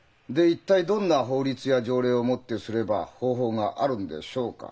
「一体どんな法律や条例をもってすれば方法があるんでしょうか？